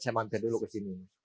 saya mantap dulu ke sini